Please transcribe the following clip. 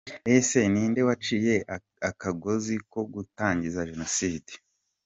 Ese ninde waciye akagozi ko gutangiza jenoside?